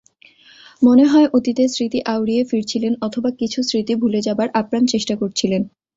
মনে হয় অতীতের স্মৃতি আওড়িয়ে ফিরছিলেন অথবা কিছু স্মৃতি ভুলে যাবার আপ্রাণ চেষ্টা করছিলেন।